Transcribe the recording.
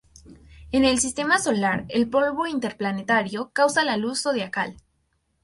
En el Sistema Solar, el polvo interplanetario causa la luz zodiacal.